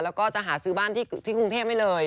แล้วก็จะหาซื้อบ้านที่กรุงเทพให้เลย